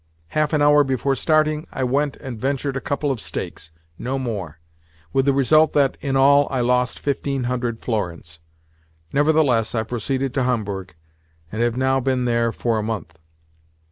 Half an hour before starting, I went and ventured a couple of stakes—no more; with the result that, in all, I lost fifteen hundred florins. Nevertheless, I proceeded to Homburg, and have now been there for a month.